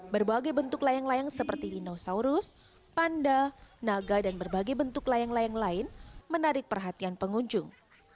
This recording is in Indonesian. berbagai bentuk layang layang seperti dinosaurus panda naga dan berbagai bentuk layang layang lain menarik perhatian pengunjung